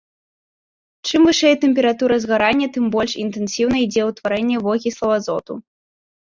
Чым вышэй тэмпература згарання, тым больш інтэнсіўна ідзе ўтварэнне вокіслаў азоту.